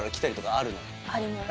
あります